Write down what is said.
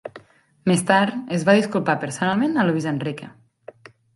Més tard, es va disculpar personalment a Luis Enrique.